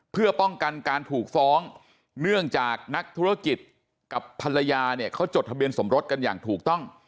เพื่อป้องกันการถูกฟ้องเนื่องจากนักธุรกิจกับภรรยาเนี่ยเขาจดทะเบียนสมรสกันอย่างถูกต้อง